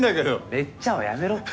めっちゃはやめろって。